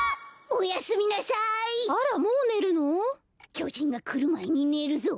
きょじんがくるまえにねるぞ。